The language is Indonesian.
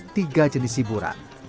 tiga jenis hiburan